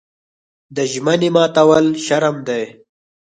د ژمنې ماتول شرم دی.